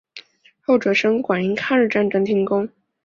后哲生馆因抗日战争停工。